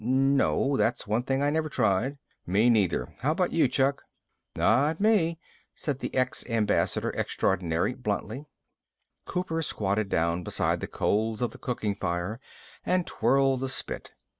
"No, that's one thing I never tried." "Me, either. How about you, Chuck?" "Not me," said the ex ambassador extraordinary bluntly. Cooper squatted down beside the coals of the cooking fire and twirled the spit.